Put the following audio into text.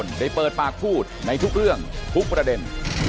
ได้เปิดปากพูดในทุกเรื่องทุกประเด็น